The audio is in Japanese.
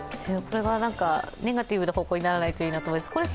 ネガティブな方向にならないといいなと思います。